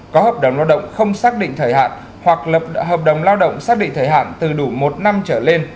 có hợp đồng lao động không xác định thời hạn hoặc lập hợp đồng lao động xác định thời hạn từ đủ một năm trở lên